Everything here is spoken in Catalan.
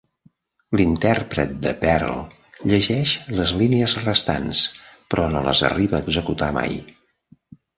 L'intèrpret de Perl llegeix les línies restants però no les arriba a executar mai.